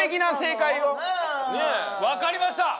ねえ分かりました！